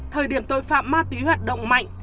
thời điểm tội phạm ma túy hoạt động mạnh